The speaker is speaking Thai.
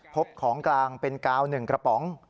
พบของกลางเป็นกาว๑กระป๋อง